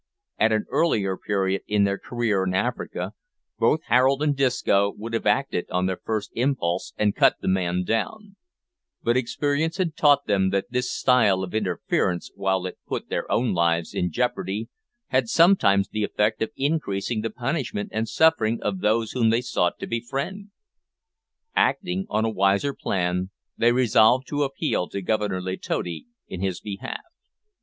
At an earlier period in their career in Africa, both Harold and Disco would have acted on their first impulse, and cut the man down; but experience had taught them that this style of interference, while it put their own lives in jeopardy, had sometimes the effect of increasing the punishment and sufferings of those whom they sought to befriend. Acting on a wiser plan, they resolved to appeal to Governor Letotti in his behalf.